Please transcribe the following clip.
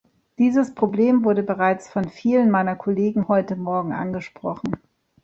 Dieses Problem wurde bereits von vielen meiner Kollegen heute morgen angesprochen.